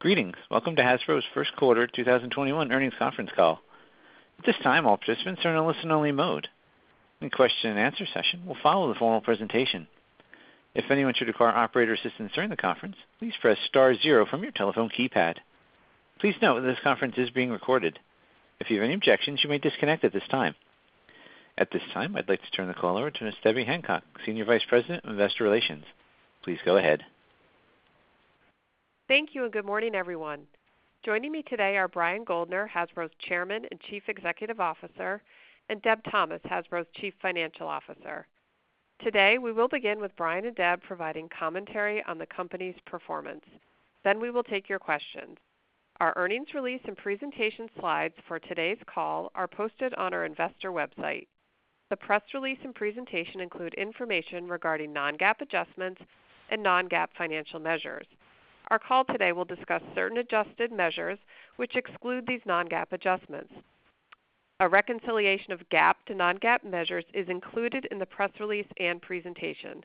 Greetings. Welcome to Hasbro's first quarter 2021 earnings conference call. At this time, all participants are in listen-only mode. The question and answer session will follow the formal presentation. If anyone should require operator assistance during the conference, please press star zero from your telephone keypad. Please note that this conference is being recorded. If you have any objections, you may disconnect at this time. At this time, I'd like to turn the call over to Ms. Debbie Hancock, Senior Vice President, Investor Relations. Please go ahead. Thank you. Good morning, everyone. Joining me today are Brian Goldner, Hasbro's Chairman and Chief Executive Officer, and Deb Thomas, Hasbro's Chief Financial Officer. Today, we will begin with Brian and Deb providing commentary on the company's performance. We will take your questions. Our earnings release and presentation slides for today's call are posted on our investor website. The press release and presentation include information regarding non-GAAP adjustments and non-GAAP financial measures. Our call today will discuss certain adjusted measures which exclude these non-GAAP adjustments. A reconciliation of GAAP to non-GAAP measures is included in the press release and presentation.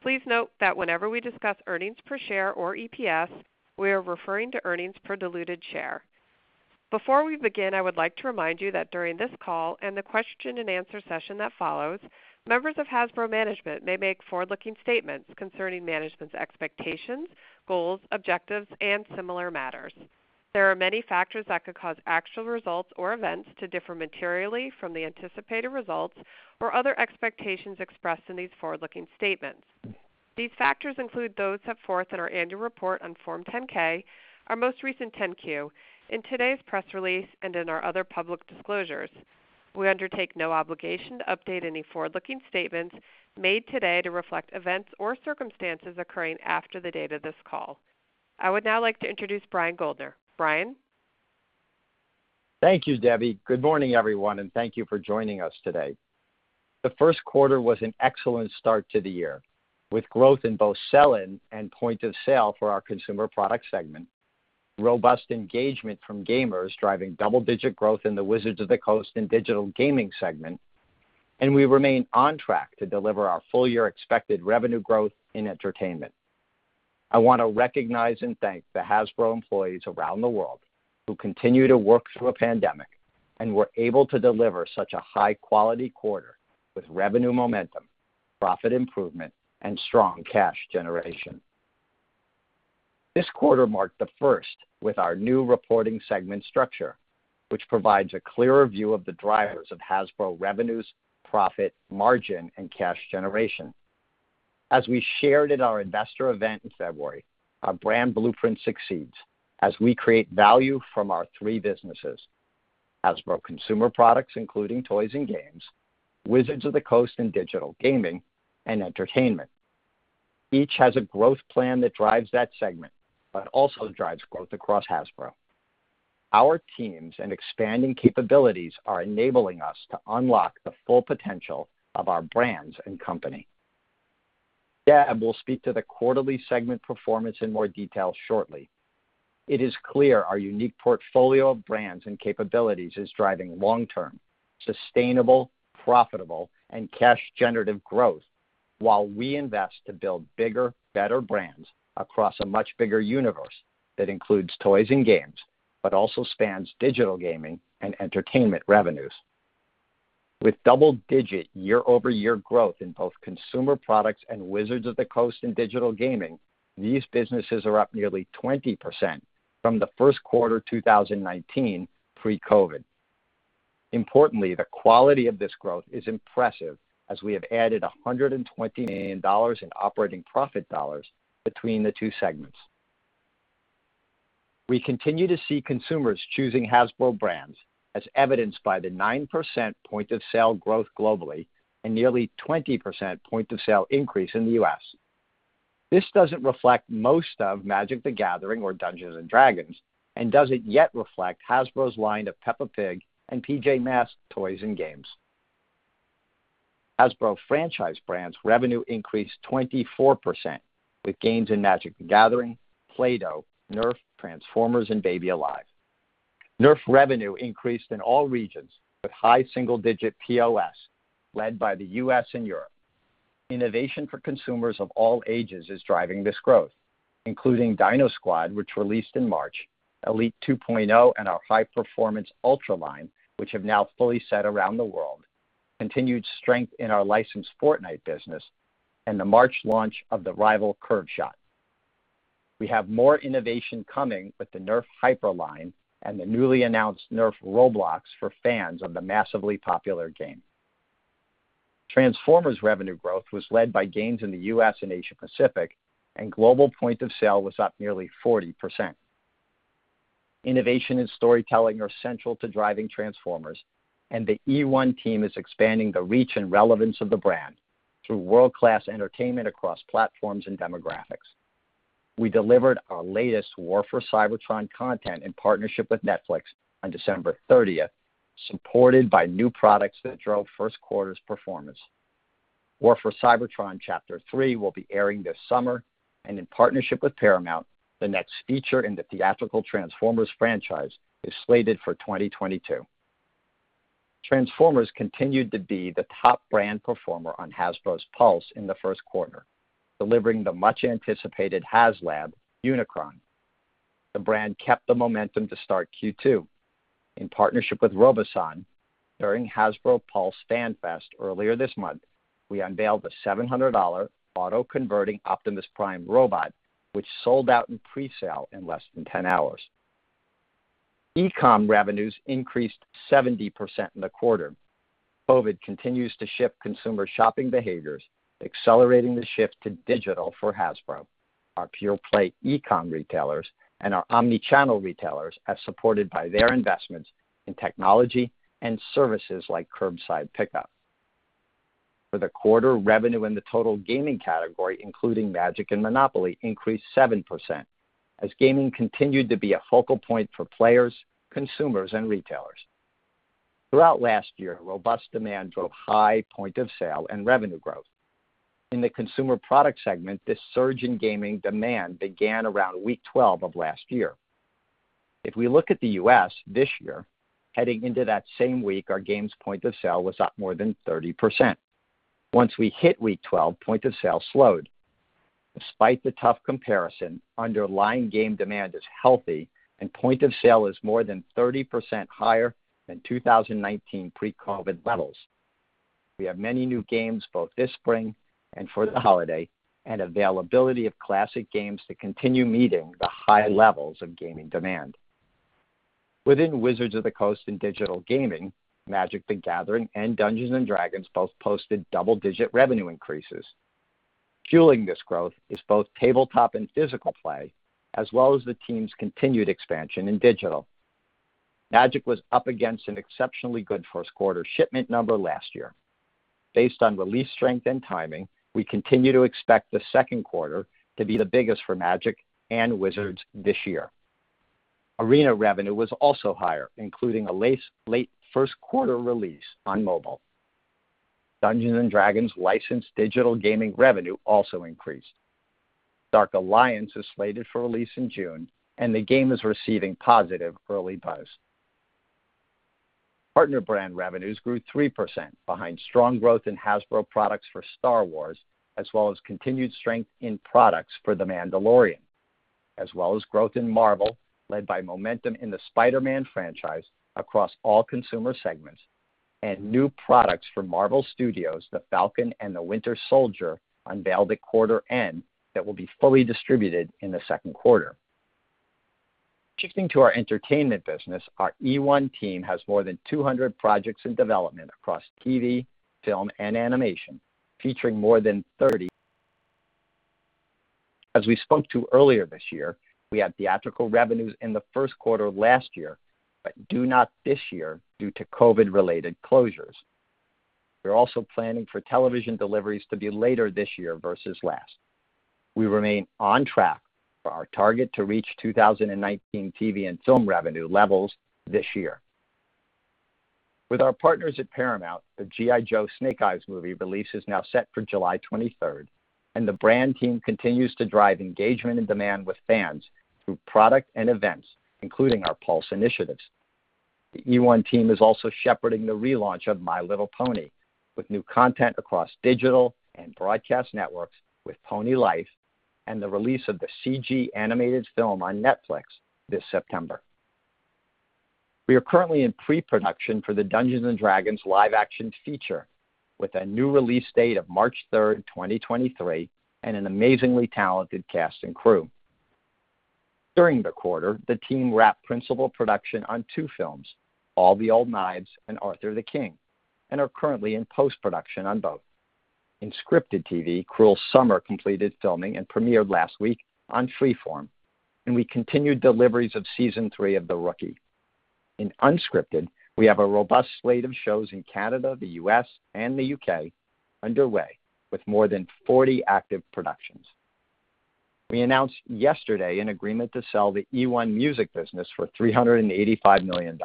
Please note that whenever we discuss earnings per share, or EPS, we are referring to earnings per diluted share. Before we begin, I would like to remind you that during this call and the question and answer session that follows, members of Hasbro management may make forward-looking statements concerning management's expectations, goals, objectives, and similar matters. There are many factors that could cause actual results or events to differ materially from the anticipated results or other expectations expressed in these forward-looking statements. These factors include those set forth in our annual report on Form 10-K, our most recent 10-Q, in today's press release, and in our other public disclosures. We undertake no obligation to update any forward-looking statements made today to reflect events or circumstances occurring after the date of this call. I would now like to introduce Brian Goldner. Brian? Thank you, Debbie. Good morning, everyone, and thank you for joining us today. The first quarter was an excellent start to the year, with growth in both sell-in and point-of-sale for our Consumer Products segment, robust engagement from gamers driving double-digit growth in the Wizards of the Coast and Digital Gaming segment, and we remain on track to deliver our full-year expected revenue growth in Entertainment. I want to recognize and thank the Hasbro employees around the world who continue to work through a pandemic and were able to deliver such a high-quality quarter with revenue momentum, profit improvement, and strong cash generation. This quarter marked the first with our new reporting segment structure, which provides a clearer view of the drivers of Hasbro revenues, profit, margin, and cash generation. As we shared at our investor event in February, our brand blueprint succeeds as we create value from our three businesses, Hasbro Consumer Products, including toys and games, Wizards of the Coast and Digital Gaming, and Entertainment. Each has a growth plan that drives that segment, but also drives growth across Hasbro. Our teams and expanding capabilities are enabling us to unlock the full potential of our brands and company. Deb will speak to the quarterly segment performance in more detail shortly. It is clear our unique portfolio of brands and capabilities is driving long-term, sustainable, profitable, and cash generative growth while we invest to build bigger, better brands across a much bigger universe that includes toys and games, but also spans digital gaming and entertainment revenues. With double-digit year-over-year growth in both Consumer Products and Wizards of the Coast and Digital Gaming, these businesses are up nearly 20% from the first quarter 2019 pre-COVID. Importantly, the quality of this growth is impressive as we have added $120 million in operating profit dollars between the two segments. We continue to see consumers choosing Hasbro brands as evidenced by the 9% point of sale growth globally and nearly 20% point of sale increase in the U.S. This doesn't reflect most of Magic: The Gathering or Dungeons & Dragons and doesn't yet reflect Hasbro's line of Peppa Pig and PJ Masks toys and games. Hasbro franchise brands revenue increased 24% with gains in Magic: The Gathering, Play-Doh, NERF, Transformers, and Baby Alive. NERF revenue increased in all regions with high single-digit POS led by the U.S. and Europe. Innovation for consumers of all ages is driving this growth, including DinoSquad, which released in March, Elite 2.0, and our high performance Ultra line, which have now fully set around the world, continued strength in our licensed Fortnite business, and the March launch of the Rival Curve Shot. We have more innovation coming with the NERF Hyper line and the newly announced NERF Roblox for fans of the massively popular game. Transformers revenue growth was led by gains in the U.S. and Asia Pacific, and global point of sale was up nearly 40%. Innovation and storytelling are central to driving Transformers, and the eOne team is expanding the reach and relevance of the brand through world-class entertainment across platforms and demographics. We delivered our latest War for Cybertron content in partnership with Netflix on December 30th, supported by new products that drove first quarter's performance. War for Cybertron: Chapter three will be airing this summer, and in partnership with Paramount, the next feature in the theatrical Transformers franchise is slated for 2022. Transformers continued to be the top brand performer on Hasbro Pulse in the first quarter, delivering the much-anticipated HasLab Unicron. The brand kept the momentum to start Q2. In partnership with Robosen, during Hasbro Pulse Fan Fest earlier this month, we unveiled the $700 auto-converting Optimus Prime robot, which sold out in presale in less than 10 hours. e-com revenues increased 70% in the quarter. COVID continues to shift consumer shopping behaviors, accelerating the shift to digital for Hasbro, our pure-play e-com retailers and our omni-channel retailers as supported by their investments in technology and services like curbside pickup. For the quarter, revenue in the total gaming category, including Magic and Monopoly, increased 7% as gaming continued to be a focal point for players, consumers, and retailers. Throughout last year, robust demand drove high point of sale and revenue growth. In the Consumer Products segment, this surge in gaming demand began around week 12 of last year. If we look at the U.S. this year, heading into that same week, our games point of sale was up more than 30%. Once we hit week 12, point of sale slowed. Despite the tough comparison, underlying game demand is healthy, and point of sale is more than 30% higher than 2019 pre-COVID levels. Availability of classic games to continue meeting the high levels of gaming demand. We have many new games both this spring and for the holiday. Within Wizards of the Coast and Digital Gaming, Magic: The Gathering and Dungeons & Dragons both posted double-digit revenue increases. Fueling this growth is both tabletop and physical play, as well as the team's continued expansion in digital. Magic was up against an exceptionally good first quarter shipment number last year. Based on release strength and timing, we continue to expect the second quarter to be the biggest for Magic and Wizards this year. Arena revenue was also higher, including a late first quarter release on mobile. Dungeons & Dragons licensed digital gaming revenue also increased. Dark Alliance is slated for release in June, and the game is receiving positive early buzz. Partner brand revenues grew 3% behind strong growth in Hasbro products for Star Wars, as well as continued strength in products for The Mandalorian, as well as growth in Marvel, led by momentum in the Spider-Man franchise across all consumer segments and new products from Marvel Studios' The Falcon and The Winter Soldier unveiled at quarter end that will be fully distributed in the second quarter. Switching to our Entertainment business, our eOne team has more than 200 projects in development across TV, film, and animation, featuring more than 30. As we spoke to earlier this year, we had theatrical revenues in the first quarter of last year but do not this year due to COVID-related closures. We're also planning for television deliveries to be later this year versus last. We remain on track for our target to reach 2019 TV and film revenue levels this year. With our partners at Paramount, the G.I. Joe Snake Eyes movie release is now set for July 23rd, and the brand team continues to drive engagement and demand with fans through product and events, including our Pulse initiatives. The eOne team is also shepherding the relaunch of My Little Pony with new content across digital and broadcast networks with Pony Life and the release of the CG animated film on Netflix this September. We are currently in pre-production for the Dungeons & Dragons live-action feature with a new release date of March 3rd, 2023, and an amazingly talented cast and crew. During the quarter, the team wrapped principal production on two films, All the Old Knives and Arthur the King, and are currently in post-production on both. In scripted TV, Cruel Summer completed filming and premiered last week on Freeform, and we continued deliveries of season three of The Rookie. In unscripted, we have a robust slate of shows in Canada, the U.S., and the U.K. underway with more than 40 active productions. We announced yesterday an agreement to sell the eOne Music business for $385 million.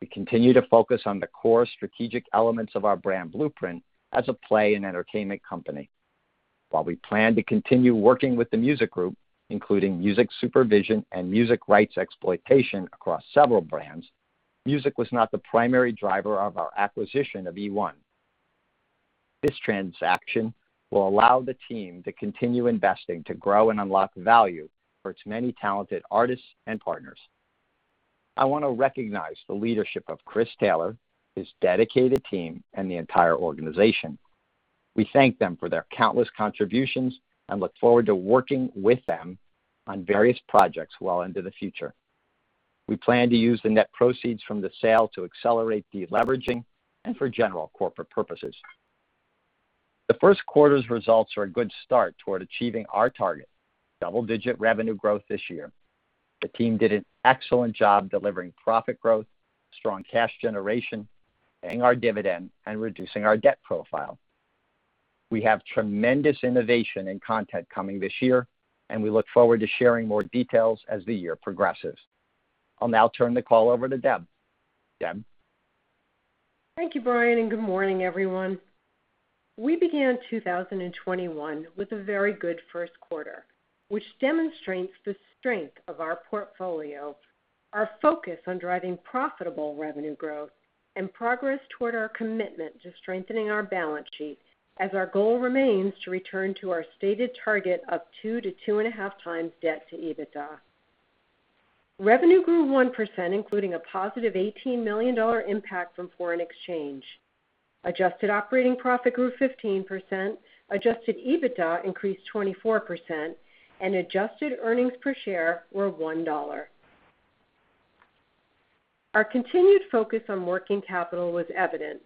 We continue to focus on the core strategic elements of our brand blueprint as a play and entertainment company. While we plan to continue working with the music group, including music supervision and music rights exploitation across several brands, music was not the primary driver of our acquisition of eOne. This transaction will allow the team to continue investing to grow and unlock value for its many talented artists and partners. I want to recognize the leadership of Chris Taylor, his dedicated team, and the entire organization. We thank them for their countless contributions and look forward to working with them on various projects well into the future. We plan to use the net proceeds from the sale to accelerate deleveraging and for general corporate purposes. The first quarter's results are a good start toward achieving our target, double-digit revenue growth this year. The team did an excellent job delivering profit growth, strong cash generation, paying our dividend, and reducing our debt profile. We have tremendous innovation and content coming this year. We look forward to sharing more details as the year progresses. I'll now turn the call over to Deb. Deb? Thank you, Brian, and good morning, everyone. We began 2021 with a very good first quarter, which demonstrates the strength of our portfolio, our focus on driving profitable revenue growth, and progress toward our commitment to strengthening our balance sheet as our goal remains to return to our stated target of 2x-2.5x debt to EBITDA. Revenue grew 1%, including a positive $18 million impact from foreign exchange. Adjusted operating profit grew 15%, adjusted EBITDA increased 24%, and adjusted earnings per share were $1. Our continued focus on working capital was evident.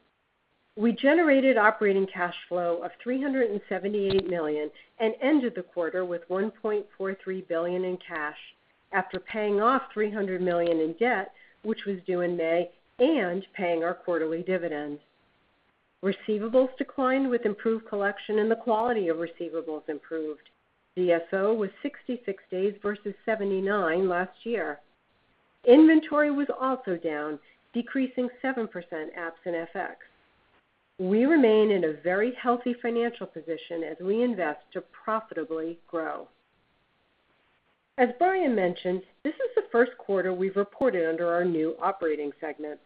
We generated operating cash flow of $378 million and ended the quarter with $1.43 billion in cash after paying off $300 million in debt, which was due in May, and paying our quarterly dividends. Receivables declined with improved collection, and the quality of receivables improved. DSO was 66 days versus 79 last year. Inventory was also down, decreasing 7% absent FX. We remain in a very healthy financial position as we invest to profitably grow. As Brian mentioned, this is the first quarter we've reported under our new operating segments.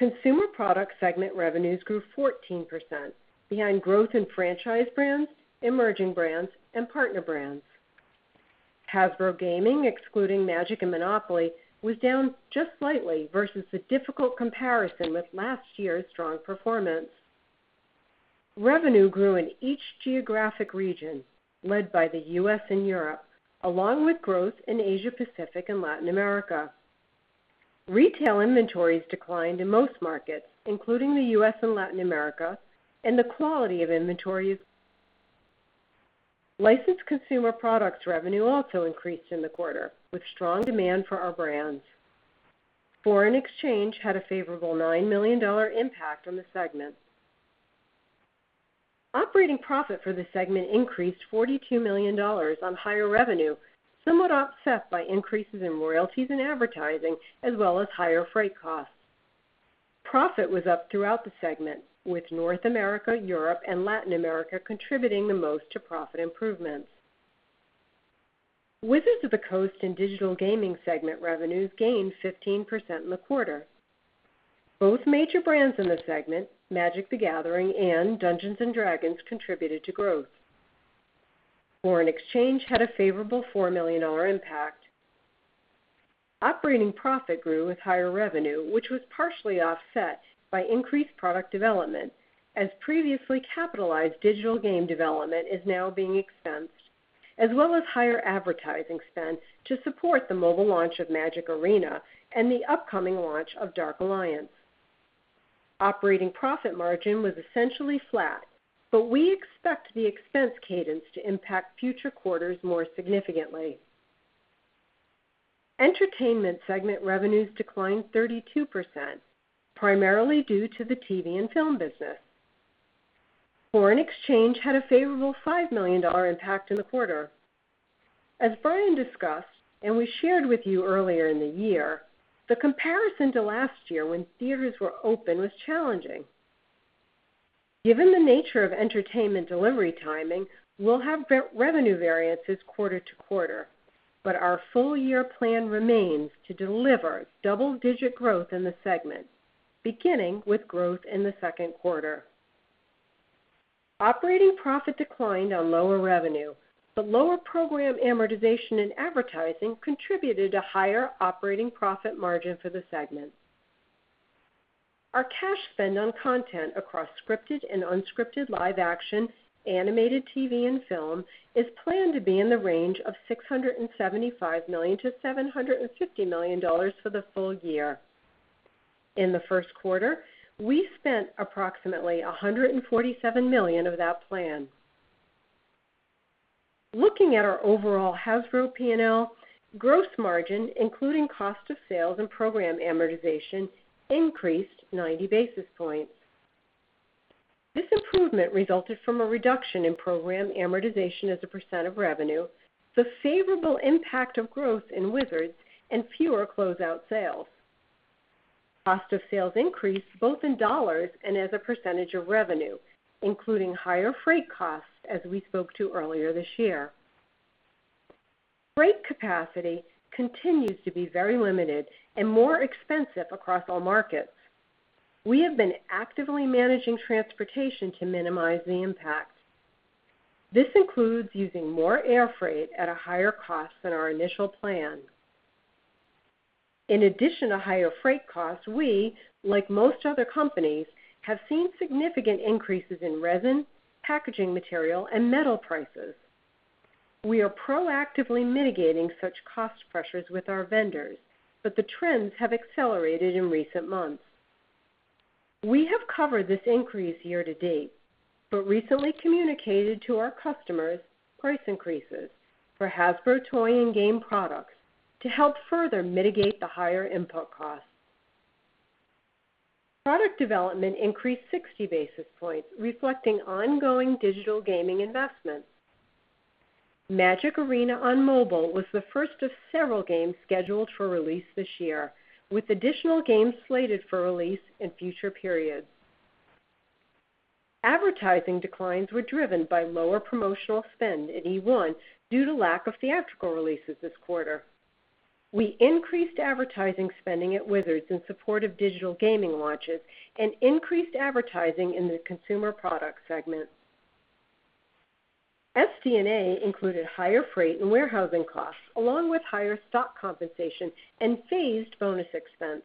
Consumer Products segment revenues grew 14% behind growth in franchise brands, emerging brands, and partner brands. Hasbro Gaming, excluding Magic and Monopoly, was down just slightly versus the difficult comparison with last year's strong performance. Revenue grew in each geographic region, led by the U.S. and Europe, along with growth in Asia Pacific and Latin America. Retail inventories declined in most markets, including the U.S. and Latin America, and the quality of inventories. Licensed Consumer Products revenue also increased in the quarter with strong demand for our brands. Foreign exchange had a favorable $9 million impact on the segment. Operating profit for the segment increased $42 million on higher revenue, somewhat offset by increases in royalties and advertising, as well as higher freight costs. Profit was up throughout the segment, with North America, Europe, and Latin America contributing the most to profit improvements. Wizards of the Coast and Digital Gaming segment revenues gained 15% in the quarter. Both major brands in the segment, Magic: The Gathering and Dungeons & Dragons, contributed to growth. Foreign exchange had a favorable $4 million impact. Operating profit grew with higher revenue, which was partially offset by increased product development, as previously capitalized digital game development is now being expensed, as well as higher advertising spend to support the mobile launch of Magic Arena and the upcoming launch of Dark Alliance. We expect the expense cadence to impact future quarters more significantly. Entertainment segment revenues declined 32%, primarily due to the TV and film business. Foreign exchange had a favorable $5 million impact in the quarter. As Brian discussed and we shared with you earlier in the year, the comparison to last year when theaters were open was challenging. Given the nature of entertainment delivery timing, we'll have revenue variances quarter-to-quarter, but our full-year plan remains to deliver double-digit growth in the segment, beginning with growth in the second quarter. Operating profit declined on lower revenue, but lower program amortization and advertising contributed to higher operating profit margin for the segment. Our cash spend on content across scripted and unscripted live action, animated TV, and film is planned to be in the range of $675 million to $750 million for the full-year. In the first quarter, we spent approximately $147 million of that plan. Looking at our overall Hasbro P&L, gross margin, including cost of sales and program amortization, increased 90 basis points. This improvement resulted from a reduction in program amortization as a percent of revenue, the favorable impact of growth in Wizards, and fewer closeout sales. Cost of sales increased both in dollars and as a percentage of revenue, including higher freight costs, as we spoke to earlier this year. Freight capacity continues to be very limited and more expensive across all markets. We have been actively managing transportation to minimize the impacts. This includes using more air freight at a higher cost than our initial plan. In addition to higher freight costs, we, like most other companies, have seen significant increases in resin, packaging material, and metal prices. We are proactively mitigating such cost pressures with our vendors, but the trends have accelerated in recent months. We have covered this increase year-to-date, recently communicated to our customers price increases for Hasbro toy and game products to help further mitigate the higher input costs. Product development increased 60 basis points, reflecting ongoing Digital Gaming investments. Magic Arena on mobile was the first of several games scheduled for release this year, with additional games slated for release in future periods. Advertising declines were driven by lower promotional spend in eOne, due to lack of theatrical releases this quarter. We increased advertising spending at Wizards in support of Digital Gaming launches and increased advertising in the Consumer Products segment. SD&A included higher freight and warehousing costs, along with higher stock compensation and phased bonus expense,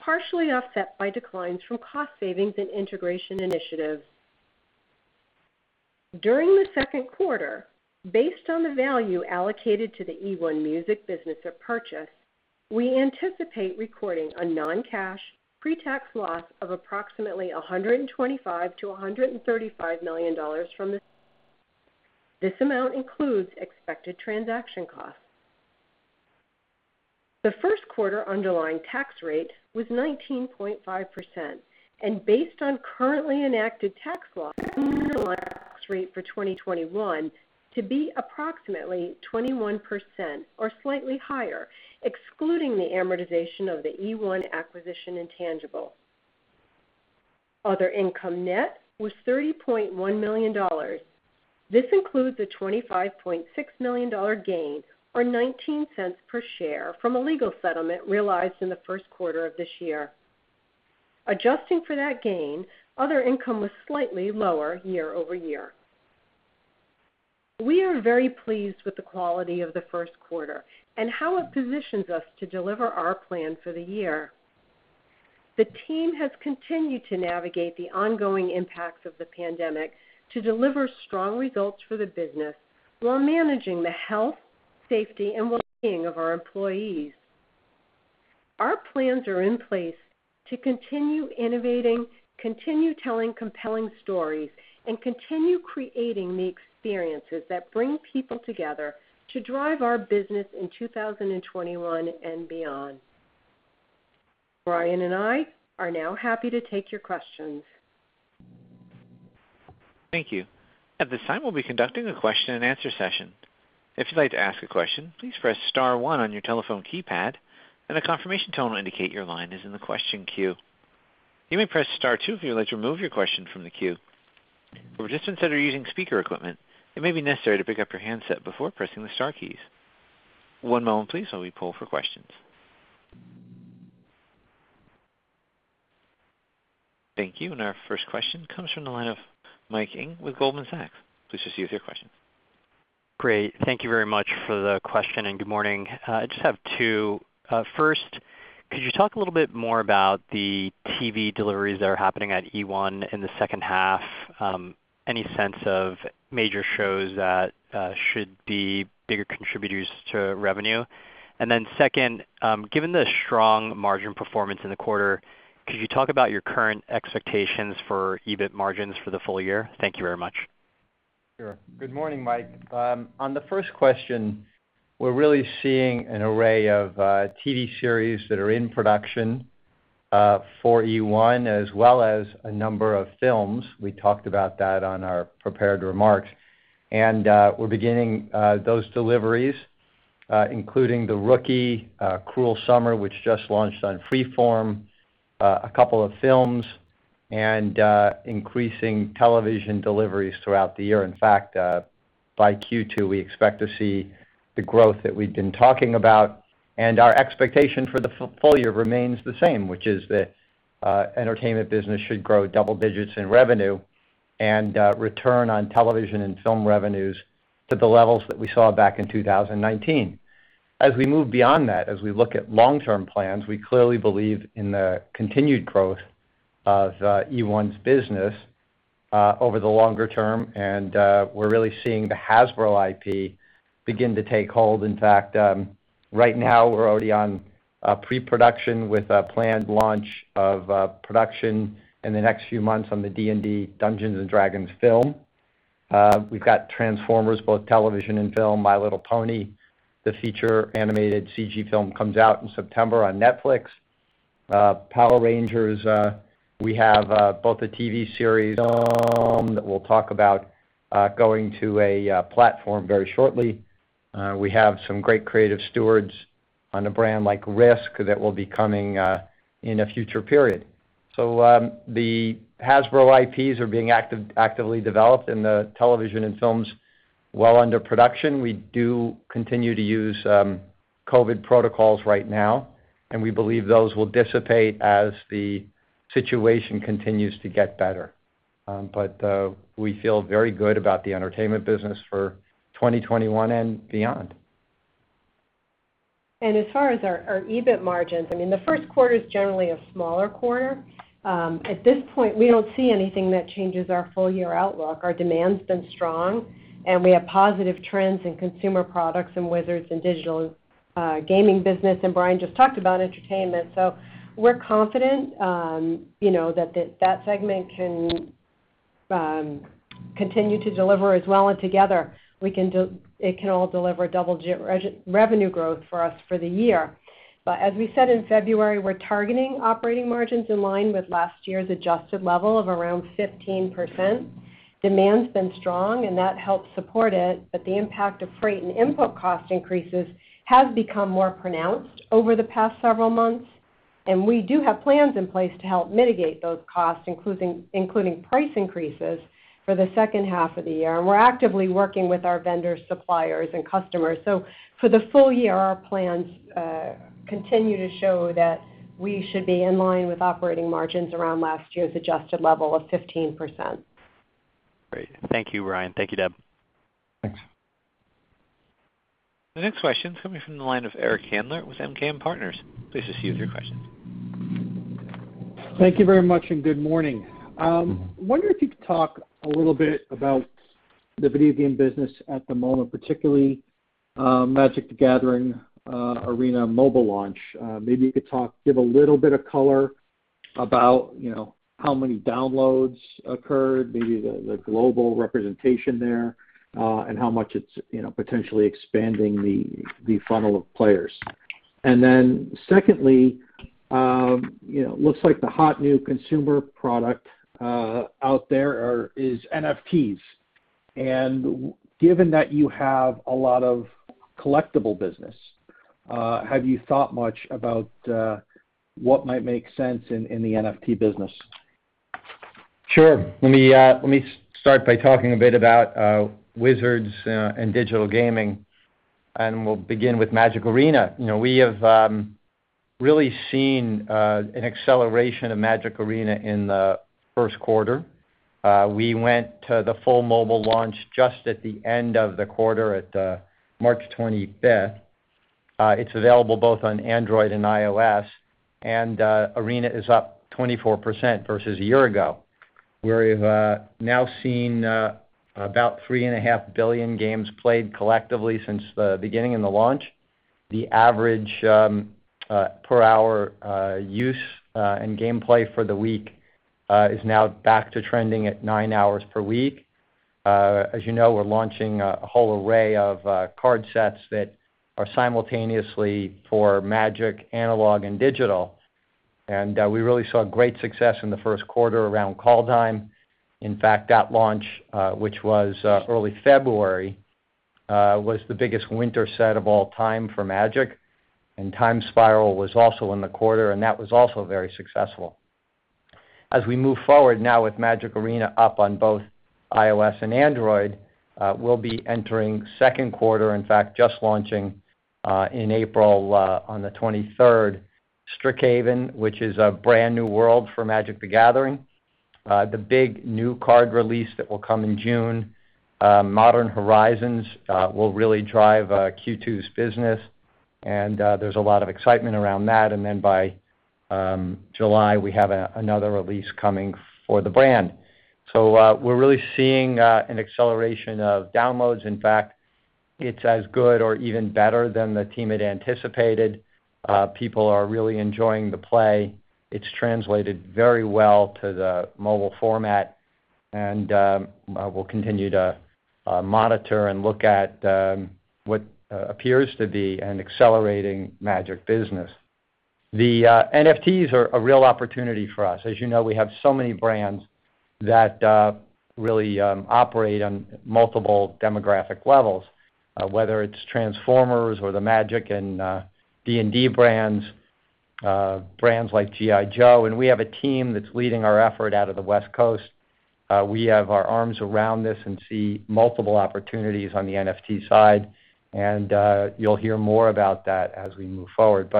partially offset by declines from cost savings and integration initiatives. During the second quarter, based on the value allocated to the eOne music business of purchase, we anticipate recording a non-cash pre-tax loss of approximately $125 million to $135 million from this. This amount includes expected transaction costs. Based on currently enacted tax laws, the first quarter underlying tax rate was 19.5%, underlying tax rate for 2021 to be approximately 21% or slightly higher, excluding the amortization of the eOne acquisition intangibles. Other income net was $30.1 million. This includes a $25.6 million gain or $0.19 per share from a legal settlement realized in the first quarter of this year. Adjusting for that gain, other income was slightly lower year-over-year. We are very pleased with the quality of the first quarter and how it positions us to deliver our plan for the year. The team has continued to navigate the ongoing impacts of the pandemic to deliver strong results for the business while managing the health, safety, and wellbeing of our employees. Our plans are in place to continue innovating, continue telling compelling stories, and continue creating the experiences that bring people together to drive our business in 2021 and beyond. Brian and I are now happy to take your questions. Thank you. At this time, we'll be conducting a question and answer session. If you'd like to ask a question, please press star one on your telephone keypad, and a confirmation tone will indicate your line is in the question queue. You may press star two if you'd like to remove your question from the queue. For participants that are using speaker equipment, it may be necessary to pick up your handset before pressing the star keys. One moment please while we pull for questions. Thank you. Our first question comes from the line of Mike Ng with Goldman Sachs. Please proceed with your question. Great. Thank you very much for the question, and good morning. I just have two. First, could you talk a little bit more about the TV deliveries that are happening at eOne in the second half? Any sense of major shows that should be bigger contributors to revenue? Then second, given the strong margin performance in the quarter, could you talk about your current expectations for EBIT margins for the full-year? Thank you very much. Sure. Good morning, Mike. On the first question, we're really seeing an array of TV series that are in production for eOne, as well as a number of films. We talked about that on our prepared remarks, and we're beginning those deliveries including "The Rookie," "Cruel Summer," which just launched on Freeform, a couple of films, and increasing television deliveries throughout the year. In fact, by Q2, we expect to see the growth that we've been talking about. Our expectation for the full-year remains the same, which is that Entertainment business should grow double digits in revenue and return on television and film revenues to the levels that we saw back in 2019. As we move beyond that, as we look at long-term plans, we clearly believe in the continued growth of eOne's business over the longer term, we're really seeing the Hasbro IP begin to take hold. In fact, right now, we're already on pre-production with a planned launch of production in the next few months on the D&D, Dungeons & Dragons film. We've got Transformers, both television and film. My Little Pony, the feature animated CG film comes out in September on Netflix. Power Rangers, we have both a TV series that we'll talk about going to a platform very shortly. We have some great creative stewards on a brand like Risk that will be coming in a future period. The Hasbro IPs are being actively developed in the television and films while under production. We do continue to use COVID protocols right now, we believe those will dissipate as the situation continues to get better. We feel very good about the Entertainment business for 2021 and beyond. As far as our EBIT margins, I mean, the first quarter is generally a smaller quarter. At this point, we don't see anything that changes our full-year outlook. Our demand's been strong, and we have positive trends in Consumer Products and Wizards and Digital Gaming business, and Brian just talked about Entertainment. We're confident that segment can continue to deliver as well and together it can all deliver double revenue growth for us for the year. As we said in February, we're targeting operating margins in line with last year's adjusted level of around 15%. Demand's been strong and that helps support it, but the impact of freight and input cost increases has become more pronounced over the past several months, and we do have plans in place to help mitigate those costs, including price increases for the second half of the year. We're actively working with our vendors, suppliers, and customers. For the full-year, our plans continue to show that we should be in line with operating margins around last year's adjusted level of 15%. Great. Thank you, Brian. Thank you, Deb. Thanks. The next question is coming from the line of Eric Handler with MKM Partners. Please proceed with your questions. Thank you very much, and good morning. Good morning. Wondering if you could talk a little bit about the video game business at the moment, particularly Magic: The Gathering Arena mobile launch. Maybe you could talk, give a little bit of color about how many downloads occurred, maybe the global representation there, and how much it's potentially expanding the funnel of players. Secondly, looks like the hot new consumer product out there is NFTs. Given that you have a lot of collectible business, have you thought much about what might make sense in the NFT business? Sure. Let me start by talking a bit about Wizards and Digital Gaming, and we'll begin with Magic Arena. We have really seen an acceleration of Magic Arena in the first quarter. We went to the full mobile launch just at the end of the quarter at March 25th. It's available both on Android and iOS, and Arena is up 24% versus a year ago, where we've now seen about 3.5 billion games played collectively since the beginning of the launch. The average per hour use and gameplay for the week is now back to trending at nine hours per week. As you know, we're launching a whole array of card sets that are simultaneously for Magic analog and digital, and we really saw great success in the first quarter around Kaldheim. In fact, that launch, which was early February, was the biggest winter set of all time for Magic, and Time Spiral Remastered was also in the quarter, and that was also very successful. As we move forward now with Magic Arena up on both iOS and Android, we'll be entering second quarter, in fact, just launching in April on the 23rd, Strixhaven: School of Mages, which is a brand-new world for Magic: The Gathering. The big new card release that will come in June, Modern Horizons 2, will really drive Q2's business, and there's a lot of excitement around that. By July, we have another release coming for the brand. We're really seeing an acceleration of downloads. In fact, it's as good or even better than the team had anticipated. People are really enjoying the play. It's translated very well to the mobile format, and we'll continue to monitor and look at what appears to be an accelerating Magic business. The NFTs are a real opportunity for us. As you know, we have so many brands that really operate on multiple demographic levels, whether it's Transformers or the Magic and D&D brands like G.I. Joe, and we have a team that's leading our effort out of the West Coast. We have our arms around this and see multiple opportunities on the NFT side, and you'll hear more about that as we move forward.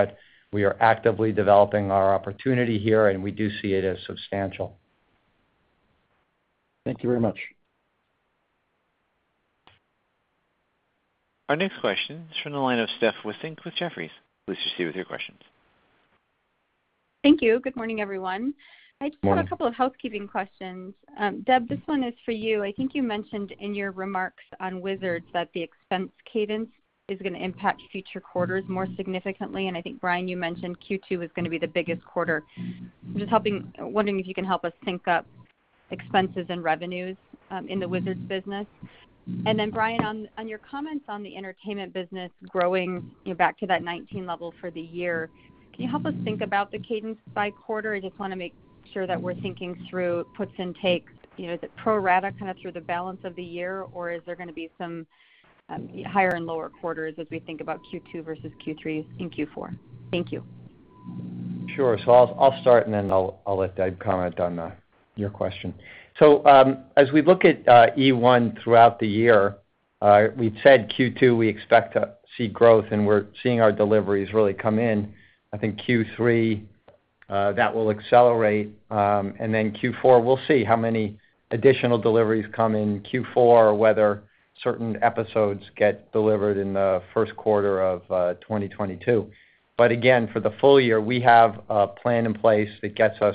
We are actively developing our opportunity here, and we do see it as substantial. Thank you very much. Our next question is from the line of Steph Wissink with Jefferies. Please proceed with your questions. Thank you. Good morning, everyone. Morning. I just have a couple of housekeeping questions. Deb, this one is for you. I think you mentioned in your remarks on Wizards that the expense cadence is going to impact future quarters more significantly, and I think, Brian, you mentioned Q2 is going to be the biggest quarter. I'm just wondering if you can help us sync up expenses and revenues in the Wizards business. Brian, on your comments on the Entertainment business growing back to that 2019 level for the year, can you help us think about the cadence by quarter? I just want to make sure that we're thinking through puts and takes. Is it pro rata kind of through the balance of the year, or is there going to be some higher and lower quarters as we think about Q2 versus Q3 and Q4? Thank you. Sure. I'll start, and then I'll let Deb comment on your question. As we look at eOne throughout the year, we've said Q2, we expect to see growth, and we're seeing our deliveries really come in. I think Q3, that will accelerate, and then Q4, we'll see how many additional deliveries come in Q4, whether certain episodes get delivered in the first quarter of 2022. Again, for the full-year, we have a plan in place that gets us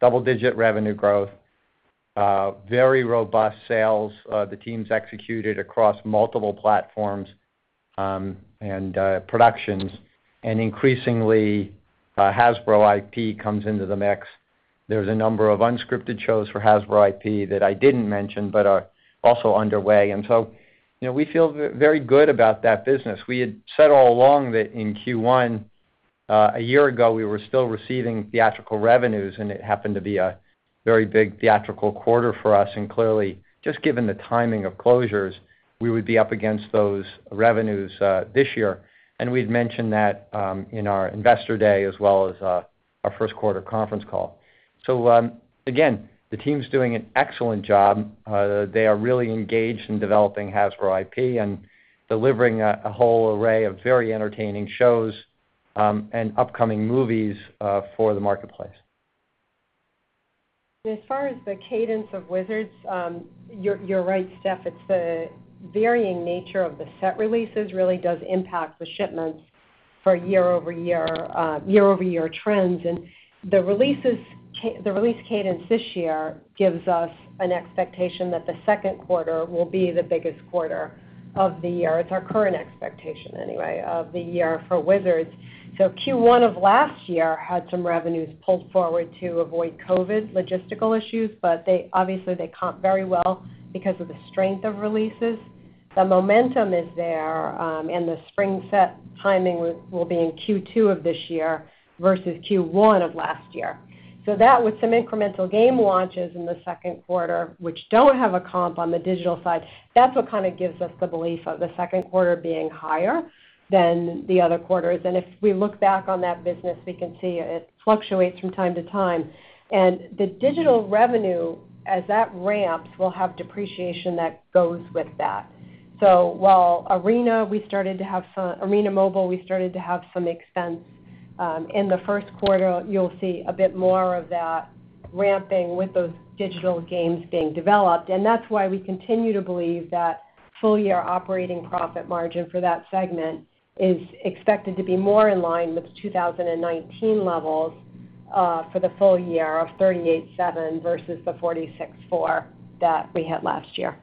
double-digit revenue growth, very robust sales. The team's executed across multiple platforms and productions. Increasingly, Hasbro IP comes into the mix. There's a number of unscripted shows for Hasbro IP that I didn't mention but are also underway. We feel very good about that business. We had said all along that in Q1 a year ago, we were still receiving theatrical revenues, and it happened to be a very big theatrical quarter for us. Clearly, just given the timing of closures, we would be up against those revenues this year. We'd mentioned that in our investor day as well as our first quarter conference call. Again, the team's doing an excellent job. They are really engaged in developing Hasbro IP and delivering a whole array of very entertaining shows and upcoming movies for the marketplace. As far as the cadence of Wizards, you're right, Steph. It's the varying nature of the set releases really does impact the shipments for year-over-year trends. The release cadence this year gives us an expectation that the second quarter will be the biggest quarter of the year. It's our current expectation anyway of the year for Wizards. Q1 of last year had some revenues pulled forward to avoid COVID logistical issues, but obviously they comp very well because of the strength of releases. The momentum is there and the spring set timing will be in Q2 of this year versus Q1 of last year. That with some incremental game launches in the second quarter, which don't have a comp on the digital side, that's what kind of gives us the belief of the second quarter being higher than the other quarters. If we look back on that business, we can see it fluctuates from time to time. The digital revenue, as that ramps, will have depreciation that goes with that. While Arena Mobile, we started to have some expense in the first quarter, you'll see a bit more of that ramping with those digital games being developed. That's why we continue to believe that full-year operating profit margin for that segment is expected to be more in line with 2019 levels for the full-year of 38.7% versus the 46.4% that we had last year.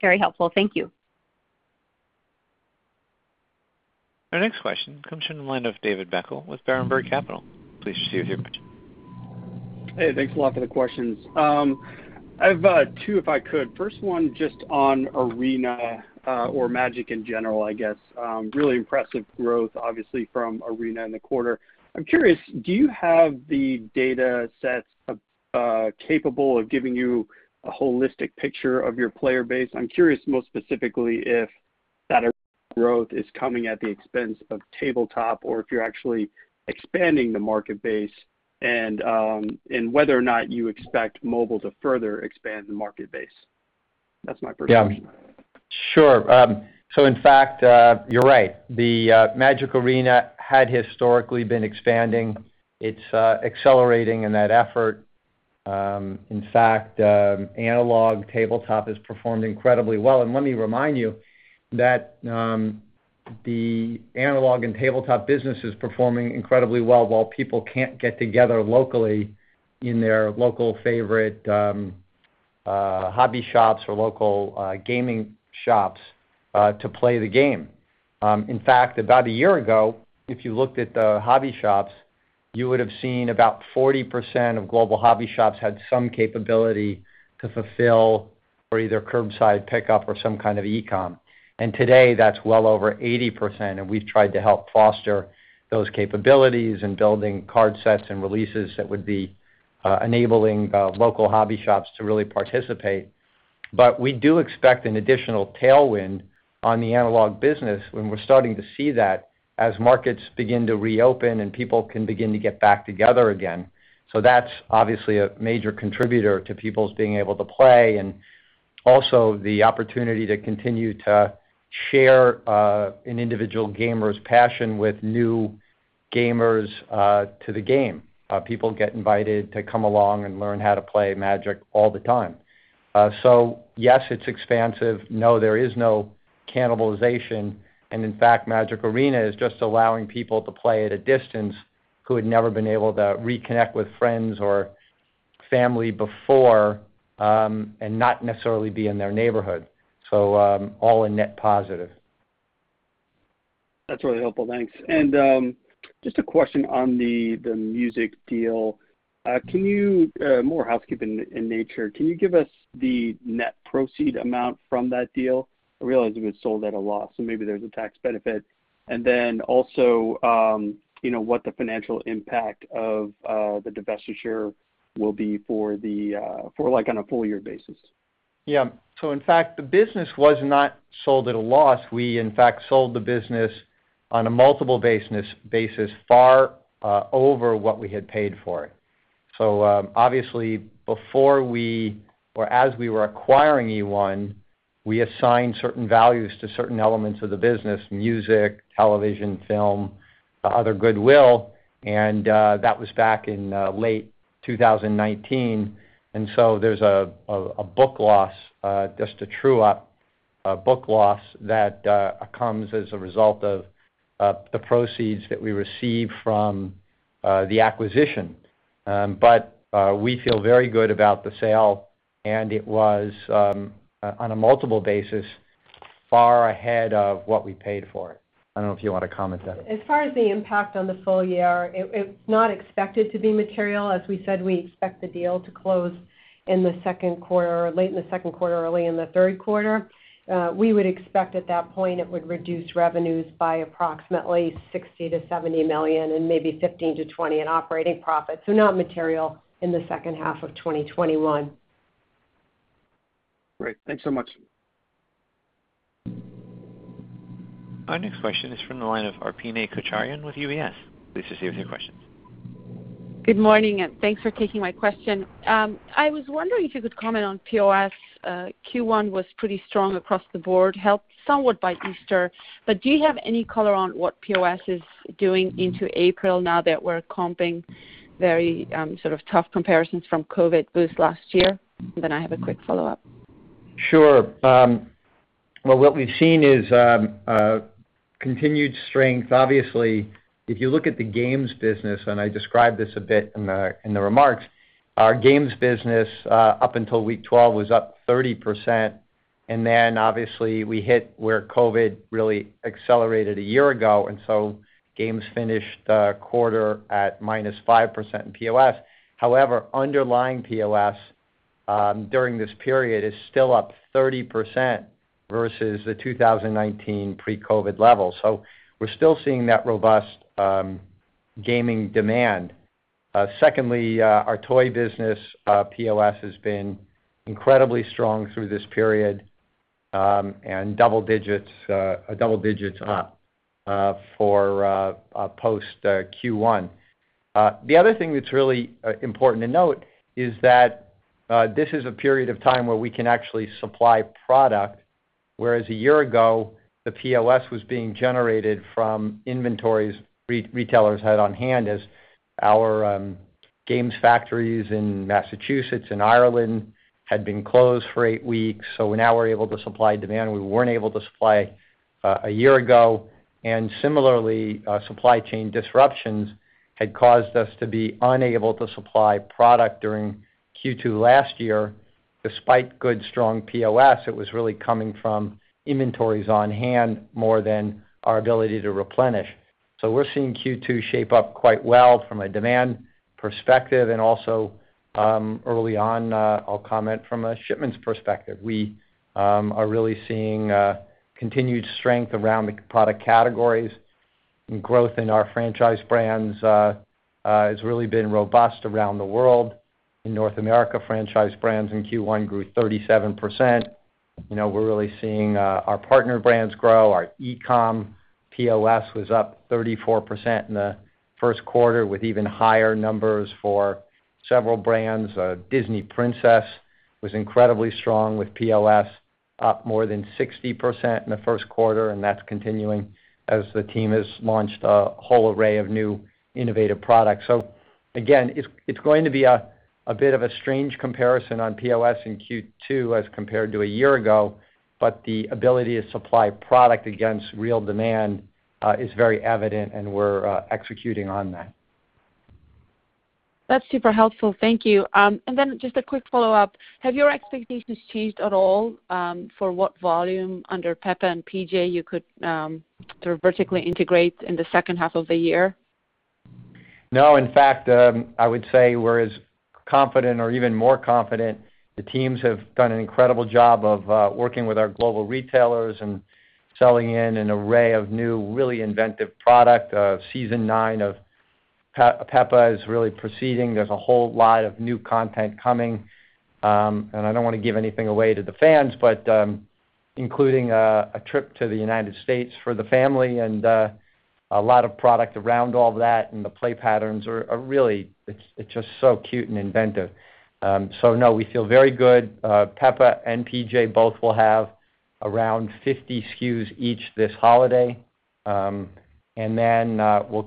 Very helpful. Thank you. Our next question comes from the line of David Beckel with Berenberg Capital. Please proceed with your question. Hey, thanks a lot for the questions. I have two, if I could. First one just on Arena or Magic: The Gathering in general, I guess. Really impressive growth, obviously from Arena in the quarter. I am curious, do you have the data sets capable of giving you a holistic picture of your player base? I am curious most specifically if that growth is coming at the expense of tabletop or if you are actually expanding the market base and whether or not you expect mobile to further expand the market base. That is my first question. Yeah. Sure. In fact, you're right. The Magic Arena had historically been expanding. It's accelerating in that effort. In fact, analog tabletop is performing incredibly well. Let me remind you that the analog and tabletop business is performing incredibly well while people can't get together locally in their local favorite hobby shops or local gaming shops to play the game. In fact, about a year ago, if you looked at the hobby shops, you would have seen about 40% of global hobby shops had some capability to fulfill for either curbside pickup or some kind of e-com. Today, that's well over 80%, and we've tried to help foster those capabilities in building card sets and releases that would be enabling local hobby shops to really participate. We do expect an additional tailwind on the analog business when we're starting to see that as markets begin to reopen and people can begin to get back together again. That's obviously a major contributor to people being able to play and also the opportunity to continue to share an individual gamer's passion with new gamers to the game. People get invited to come along and learn how to play Magic all the time. Yes, it's expansive. No, there is no cannibalization. In fact, Magic Arena is just allowing people to play at a distance who had never been able to reconnect with friends or family before and not necessarily be in their neighborhood. All a net positive. That's really helpful. Thanks. Just a question on the music deal. More housekeeping in nature. Can you give us the net proceed amount from that deal? I realize it was sold at a loss, so maybe there's a tax benefit. Then also what the financial impact of the divestiture will be on a full-year basis. Yeah. In fact, the business was not sold at a loss. We, in fact, sold the business on a multiple basis far over what we had paid for it. Obviously, as we were acquiring eOne, we assigned certain values to certain elements of the business, music, television, film, other goodwill and that was back in late 2019. There's a book loss, just a true-up book loss that comes as a result of the proceeds that we received from the acquisition. We feel very good about the sale, and it was, on a multiple basis far ahead of what we paid for it. I don't know if you want to comment, Debbie. As far as the impact on the full-year, it's not expected to be material. As we said, we expect the deal to close in the second quarter, late in the second quarter, early in the third quarter. We would expect at that point it would reduce revenues by approximately $60 million-$70 million and maybe $15 million-$20 million in operating profits, so not material in the second half of 2021. Great. Thanks so much. Our next question is from the line of Arpine Kocharian with UBS. Please proceed with your questions. Good morning, thanks for taking my question. I was wondering if you could comment on POS. Q1 was pretty strong across the board, helped somewhat by Easter. Do you have any color on what POS is doing into April now that we're comping very sort of tough comparisons from COVID boost last year? I have a quick follow-up. Sure. Well, what we've seen is continued strength. If you look at the games business, and I described this a bit in the remarks, our games business, up until week 12, was up 30%. Obviously we hit where COVID really accelerated a year ago, games finished the quarter at -5% in POS. However, underlying POS during this period is still up 30% versus the 2019 pre-COVID levels. We're still seeing that robust gaming demand. Secondly, our toy business POS has been incredibly strong through this period, and double digits up for post Q1. The other thing that's really important to note is that this is a period of time where we can actually supply product, whereas a year ago, the POS was being generated from inventories retailers had on hand as our games factories in Massachusetts and Ireland had been closed for eight weeks. Now we're able to supply demand we weren't able to supply a year ago. Similarly, supply chain disruptions had caused us to be unable to supply product during Q2 last year. Despite good, strong POS, it was really coming from inventories on hand more than our ability to replenish. We're seeing Q2 shape up quite well from a demand perspective and also, early on, I'll comment from a shipments perspective. We are really seeing continued strength around the product categories, and growth in our franchise brands has really been robust around the world. In North America, franchise brands in Q1 grew 37%. We're really seeing our partner brands grow. Our e-com POS was up 34% in the first quarter, with even higher numbers for several brands. Disney Princess was incredibly strong with POS up more than 60% in the first quarter, and that's continuing as the team has launched a whole array of new innovative products. Again, it's going to be a bit of a strange comparison on POS in Q2 as compared to a year ago, but the ability to supply product against real demand is very evident, and we're executing on that. That's super helpful. Thank you. Just a quick follow-up. Have your expectations changed at all for what volume under Peppa and PJ you could sort of vertically integrate in the second half of the year? No. In fact, I would say we're as confident or even more confident. The teams have done an incredible job of working with our global retailers and selling in an array of new, really inventive product. Season 9 of Peppa is really proceeding. There's a whole lot of new content coming. I don't want to give anything away to the fans, including a trip to the U.S. for the family and a lot of product around all that, and the play patterns are really, it's just so cute and inventive. No, we feel very good. Peppa and PJ both will have around 50 SKUs each this holiday. We'll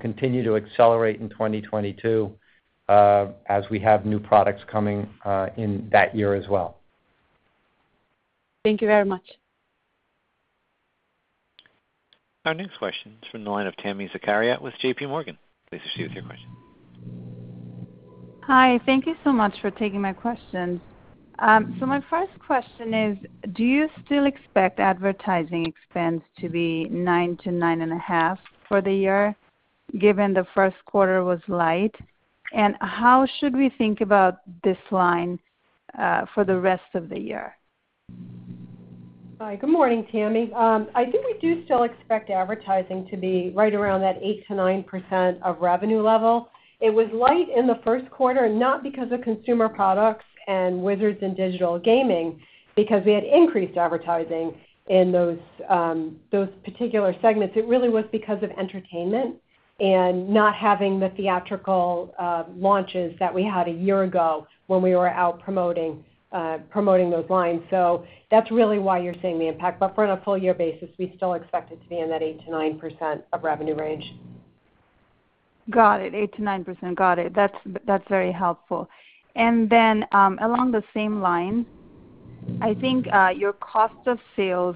continue to accelerate in 2022 as we have new products coming in that year as well. Thank you very much. Our next question is from the line of Tami Zakaria with JPMorgan. Please proceed with your question. Hi. Thank you so much for taking my questions. My first question is, do you still expect advertising expense to be 9% to 9.5% for the year, given the first quarter was light? How should we think about this line for the rest of the year? Hi. Good morning, Tami. I think we do still expect advertising to be right around that 8%-9% of revenue level. It was light in the first quarter, not because of Consumer Products and Wizards and Digital Gaming, because we had increased advertising in those particular segments. It really was because of Entertainment and not having the theatrical launches that we had a year ago when we were out promoting those lines. That's really why you're seeing the impact. For on a full-year basis, we still expect it to be in that 8%-9% of revenue range. Got it. 8%-9%, got it. That's very helpful. Along the same line, I think your cost of sales,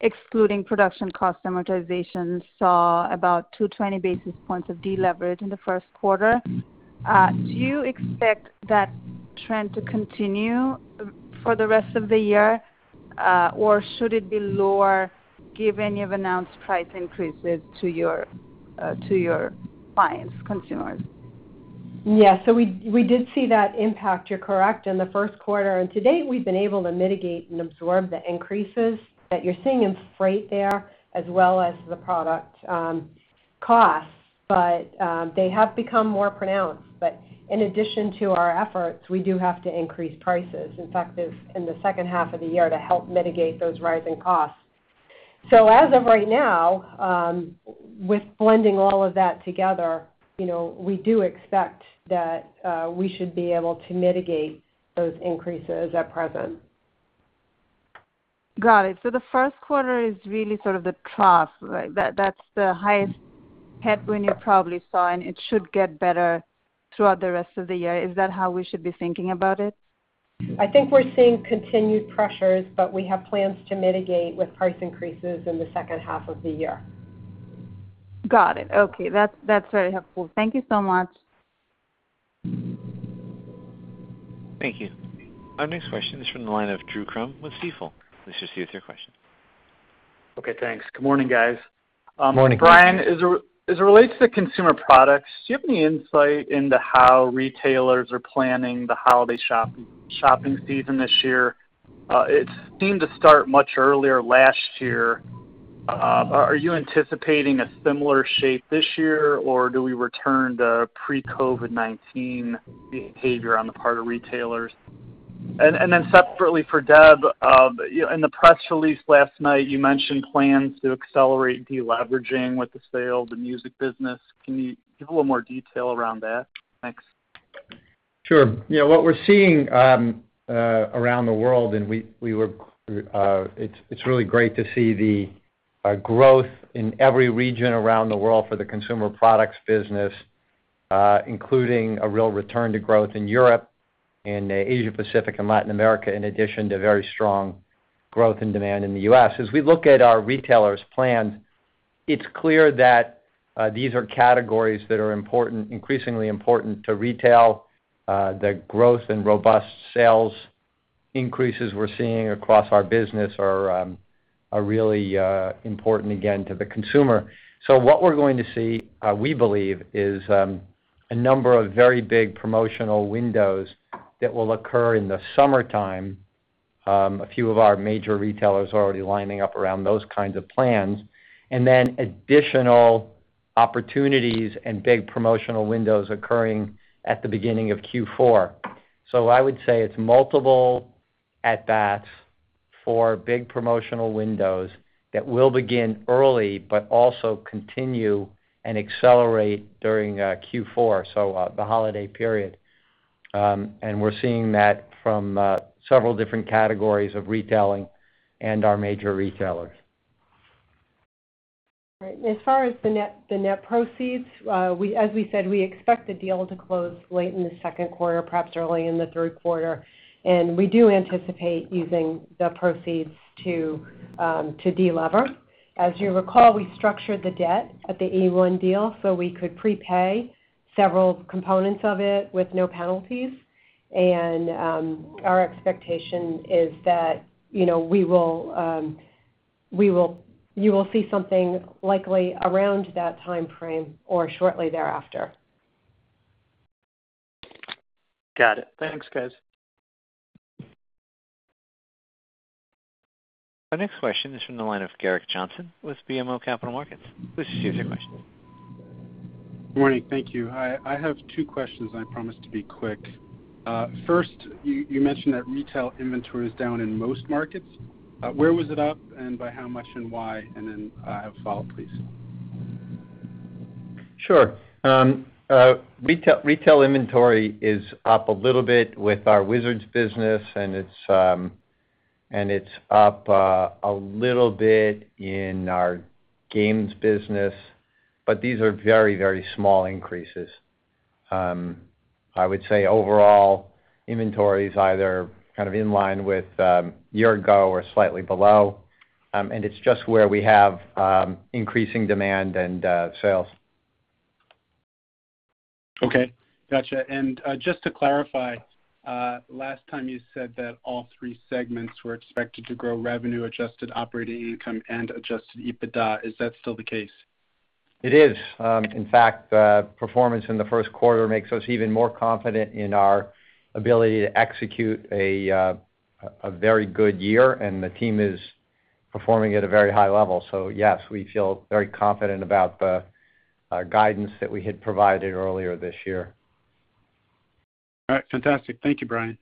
excluding production cost amortization, saw about 220 basis points of deleverage in the first quarter. Do you expect that trend to continue for the rest of the year? Should it be lower given you've announced price increases to your clients, consumers? Yes. We did see that impact, you're correct, in the first quarter, and to date, we've been able to mitigate and absorb the increases that you're seeing in freight there, as well as the product costs. They have become more pronounced. In addition to our efforts, we do have to increase prices, in fact, in the second half of the year to help mitigate those rising costs. As of right now, with blending all of that together, we do expect that we should be able to mitigate those increases at present. Got it. The first quarter is really sort of the trough. That's the highest headwind you probably saw, and it should get better throughout the rest of the year. Is that how we should be thinking about it? I think we're seeing continued pressures, but we have plans to mitigate with price increases in the second half of the year. Got it. Okay. That's very helpful. Thank you so much. Thank you. Our next question is from the line of Drew Crum with Stifel. This is you with your question. Okay, thanks. Good morning, guys. Morning. Brian, as it relates to Consumer Products, do you have any insight into how retailers are planning the holiday shopping season this year? It seemed to start much earlier last year. Are you anticipating a similar shape this year, or do we return to pre-COVID-19 behavior on the part of retailers? Separately for Deb, in the press release last night, you mentioned plans to accelerate deleveraging with the sale of the music business. Can you give a little more detail around that? Thanks. Sure. What we're seeing around the world, and it's really great to see the growth in every region around the world for the Consumer Products business, including a real return to growth in Europe and Asia-Pacific and Latin America, in addition to very strong growth and demand in the U.S. As we look at our retailers' plans, it's clear that these are categories that are increasingly important to retail. The growth and robust sales increases we're seeing across our business are really important again to the consumer. What we're going to see, we believe, is a number of very big promotional windows that will occur in the summertime. A few of our major retailers are already lining up around those kinds of plans. Additional opportunities and big promotional windows occurring at the beginning of Q4. I would say it's multiple at-bats for big promotional windows that will begin early but also continue and accelerate during Q4, so the holiday period. We're seeing that from several different categories of retailing and our major retailers. Right. As far as the net proceeds, as we said, we expect the deal to close late in the second quarter, perhaps early in the third quarter, and we do anticipate using the proceeds to de-lever. As you recall, we structured the debt at the eOne deal so we could prepay several components of it with no penalties. Our expectation is that you will see something likely around that timeframe or shortly thereafter. Got it. Thanks, guys. Our next question is from the line of Gerrick Johnson with BMO Capital Markets. This is you with your question. Morning. Thank you. Hi. I have two questions. I promise to be quick. First, you mentioned that retail inventory is down in most markets. Where was it up, and by how much and why? I have a follow-up, please. Sure. Retail inventory is up a little bit with our Wizards business. It's up a little bit in our games business. These are very small increases. I would say overall, inventory is either kind of in line with year ago or slightly below. It's just where we have increasing demand and sales. Okay. Got you. Just to clarify, last time you said that all three segments were expected to grow revenue, adjusted operating income, and adjusted EBITDA. Is that still the case? It is. In fact, performance in the first quarter makes us even more confident in our ability to execute a very good year, and the team is performing at a very high level. Yes, we feel very confident about the guidance that we had provided earlier this year. All right. Fantastic. Thank you, Brian.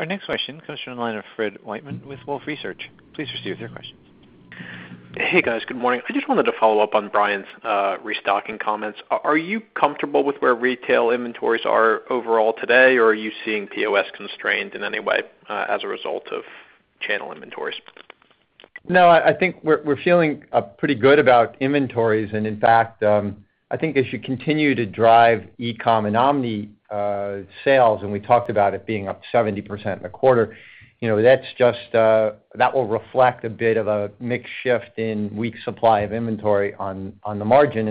Our next question comes from the line of Fred Wightman with Wolfe Research. Please proceed with your questions. Hey, guys. Good morning. I just wanted to follow up on Brian's restocking comments. Are you comfortable with where retail inventories are overall today, or are you seeing POS constrained in any way as a result of channel inventories? I think we're feeling pretty good about inventories and in fact, I think as you continue to drive e-com and omni sales, and we talked about it being up 70% in the quarter, that will reflect a bit of a mix shift in week supply of inventory on the margin.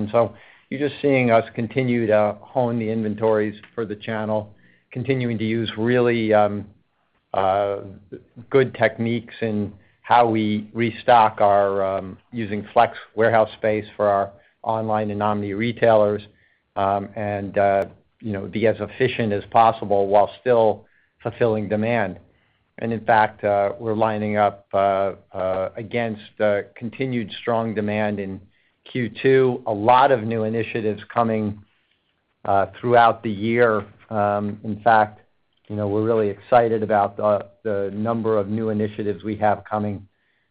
You're just seeing us continue to hone the inventories for the channel, continuing to use really good techniques in how we restock our using flex warehouse space for our online and omni retailers, and be as efficient as possible while still fulfilling demand. In fact, we're lining up against continued strong demand in Q2. A lot of new initiatives coming throughout the year. We're really excited about the number of new initiatives we have coming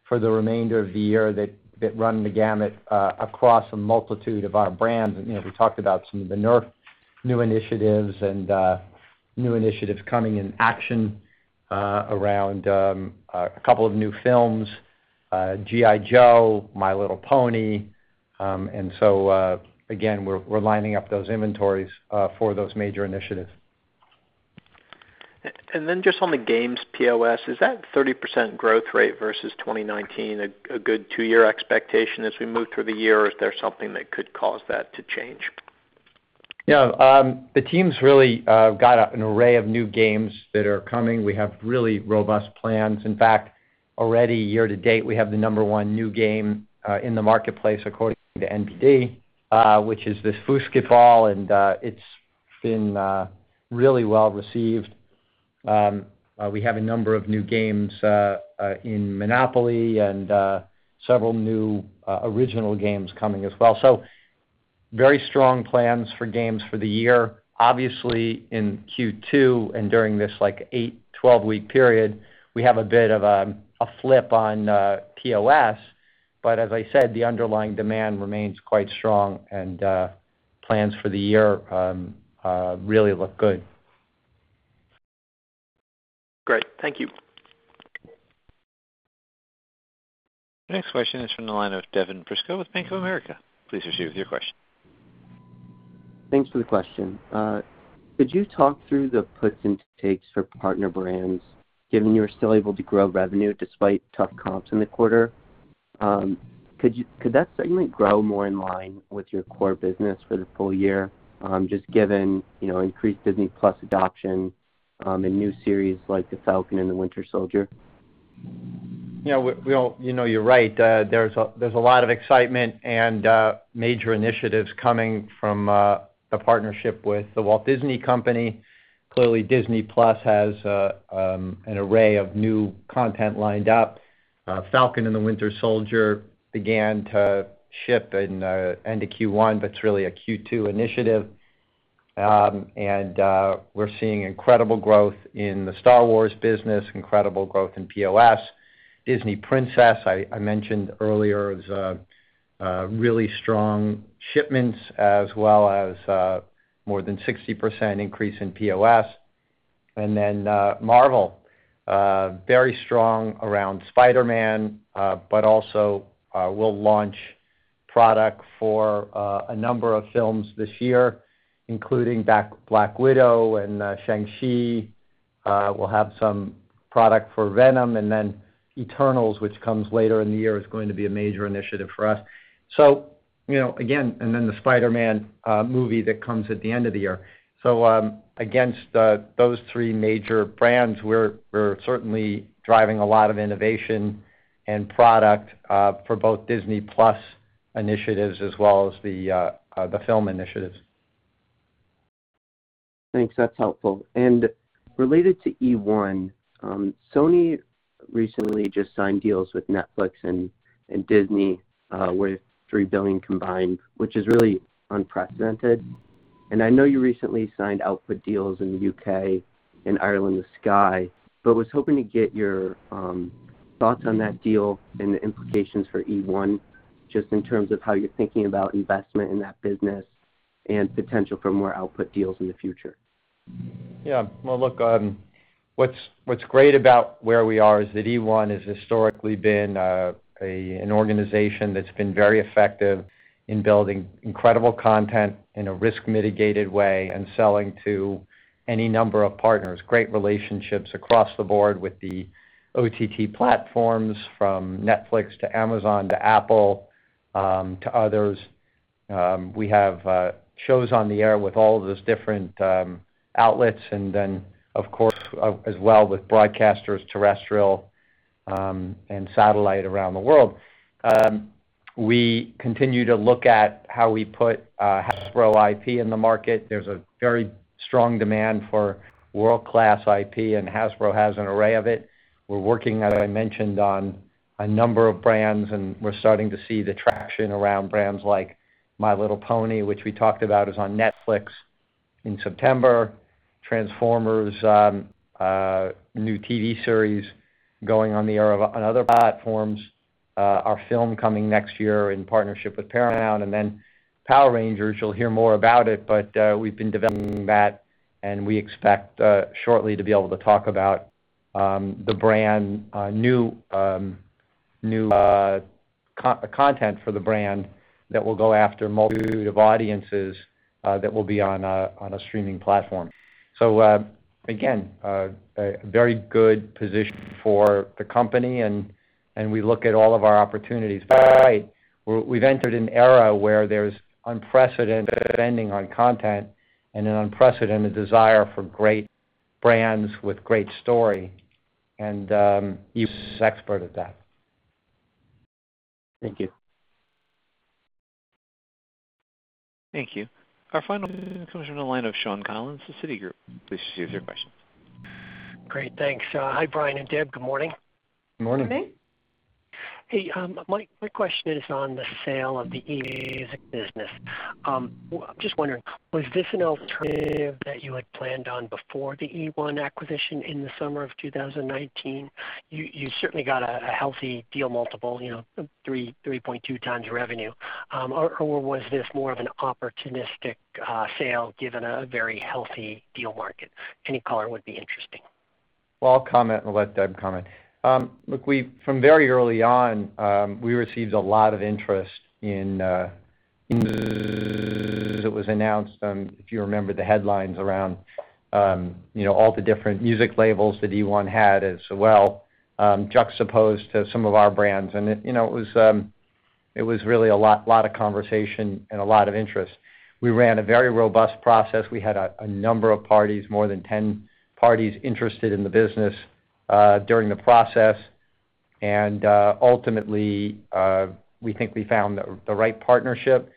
for the remainder of the year that run the gamut across a multitude of our brands. We talked about some of the NERF new initiatives and new initiatives coming in Action around a couple of new films, G.I. Joe, My Little Pony. Again, we're lining up those inventories for those major initiatives. Just on the games POS, is that 30% growth rate versus 2019 a good two year expectation as we move through the year? Is there something that could cause that to change? Yeah. The team's really got an array of new games that are coming. We have really robust plans. In fact, already year-to-date, we have the number one new game in the marketplace according to NPD, which is this Foosketball, and it's been really well received. We have a number of new games in Monopoly and several new original games coming as well. Very strong plans for games for the year. Obviously in Q2 and during this 8-12-week period, we have a bit of a flip on POS, but as I said, the underlying demand remains quite strong and plans for the year really look good. Great. Thank you. The next question is from the line of Devin Brisco with Bank of America. Please proceed with your question. Thanks for the question. Could you talk through the puts and takes for partner brands, given you were still able to grow revenue despite tough comps in the quarter? Could that segment grow more in line with your core business for the full-year, just given increased Disney+ adoption and new series like "The Falcon and The Winter Soldier"? You're right. There's a lot of excitement and major initiatives coming from the partnership with The Walt Disney Company. Clearly, Disney+ has an array of new content lined up. "Falcon and the Winter Soldier" began to ship end of Q1, but it's really a Q2 initiative. We're seeing incredible growth in the Star Wars business, incredible growth in POS. Disney Princess, I mentioned earlier, is really strong shipments as well as more than 60% increase in POS. Marvel, very strong around Spider-Man, but also will launch product for a number of films this year, including "Black Widow" and "Shang-Chi." We'll have some product for "Venom" and "Eternals," which comes later in the year, is going to be a major initiative for us. The "Spider-Man" movie that comes at the end of the year. Against those three major brands, we're certainly driving a lot of innovation and product for both Disney+ initiatives as well as the film initiatives. Thanks. That's helpful. Related to eOne, Sony recently just signed deals with Netflix and Disney worth $3 billion combined, which is really unprecedented. I know you recently signed output deals in the U.K. and Ireland with Sky, but was hoping to get your thoughts on that deal and the implications for eOne, just in terms of how you're thinking about investment in that business and potential for more output deals in the future. Yeah. Well, look, what's great about where we are is that eOne has historically been an organization that's been very effective in building incredible content in a risk mitigated way and selling to any number of partners. Great relationships across the board with the OTT platforms, from Netflix to Amazon to Apple, to others. We have shows on the air with all of those different outlets. Of course, as well with broadcasters, terrestrial and satellite around the world. We continue to look at how we put Hasbro IP in the market. There's a very strong demand for world-class IP. Hasbro has an array of it. We're working, as I mentioned, on a number of brands. We're starting to see the traction around brands like My Little Pony, which we talked about is on Netflix in September. Transformers, new TV series going on the air on other platforms. Our film coming next year in partnership with Paramount. Power Rangers, you'll hear more about it, but we've been developing that. We expect shortly to be able to talk about the brand, new content for the brand that will go after of audiences that will be on a streaming platform. Again, a very good position for the company, and we look at all of our opportunities. We've entered an era where there's unprecedented spending on content and an unprecedented desire for great brands with great story, and eOne is expert at that. Thank you. Thank you. Our final comes from the line of Shawn Collins of Citigroup. Please proceed with your questions. Great. Thanks. Hi, Brian and Deb. Good morning. Good morning. Good morning. Hey, my question is on the sale of the music business. I'm just wondering, was this an alternative that you had planned on before the eOne acquisition in the summer of 2019? You certainly got a healthy deal multiple, 3.2x revenue. Was this more of an opportunistic sale, given a very healthy deal market? Any color would be interesting. Well, I'll comment and let Deb comment. Look, from very early on, we received a lot of interest in as it was announced, if you remember the headlines around all the different music labels that eOne had as well, juxtaposed to some of our brands. It was really a lot of conversation and a lot of interest. We ran a very robust process. We had a number of parties, more than 10 parties, interested in the business during the process. Ultimately, we think we found the right partnership.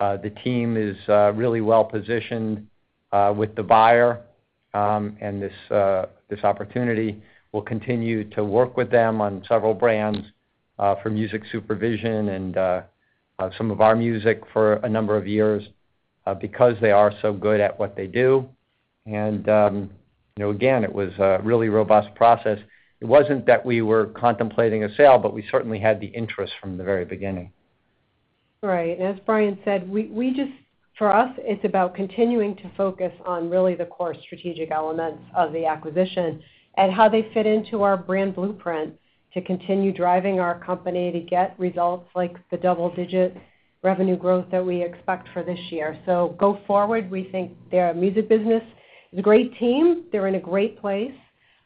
The team is really well-positioned with the buyer and this opportunity. We'll continue to work with them on several brands for music supervision and some of our music for a number of years because they are so good at what they do. Again, it was a really robust process. It wasn't that we were contemplating a sale, but we certainly had the interest from the very beginning. Right. As Brian said, for us, it's about continuing to focus on really the core strategic elements of the acquisition and how they fit into our brand blueprint to continue driving our company to get results like the double-digit revenue growth that we expect for this year. Go forward, we think their music business is a great team. They're in a great place.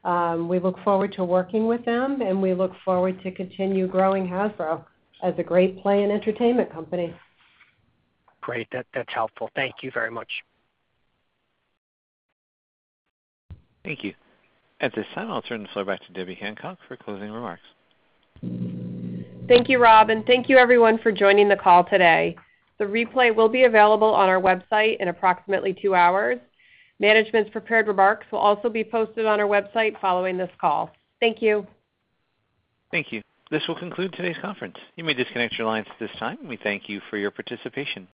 We look forward to working with them, and we look forward to continue growing Hasbro as a great play and entertainment company. Great. That's helpful. Thank you very much. Thank you. At this time, I'll turn the floor back to Debbie Hancock for closing remarks. Thank you, Rob, and thank you everyone for joining the call today. The replay will be available on our website in approximately two hours. Management's prepared remarks will also be posted on our website following this call. Thank you. Thank you. This will conclude today's conference. You may disconnect your lines at this time. We thank you for your participation.